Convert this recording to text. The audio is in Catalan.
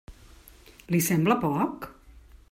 Li sembla poc?